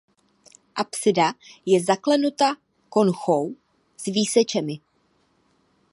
Apsida je zaklenuta konchou s výsečemi.